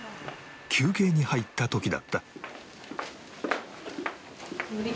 休憩に入った時だった